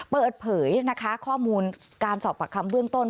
เปิดเผยนะคะข้อมูลการสอบปากคำเบื้องต้น